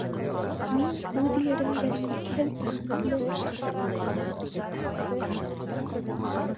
— Мин үҙ еремдә сикһеҙ бәхетле!